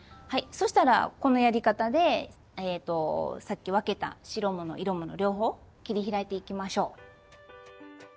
そしたらこのやり方でさっき分けた白もの色もの両方切り開いていきましょう。